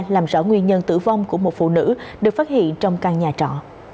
làm rõ nguyên nhân tử vong của một phụ nữ được phát hiện trong căn nhà trọ